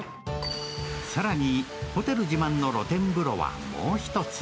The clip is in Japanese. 更にホテル自慢の露天風呂はもう１つ。